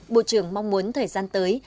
bộ trưởng mong muốn thời gian tới